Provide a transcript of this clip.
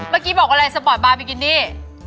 เมื่อกี้บอกอะไรสปอร์ตบาร์บิกินี่